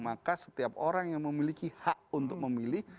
maka setiap orang yang memiliki hak untuk memilih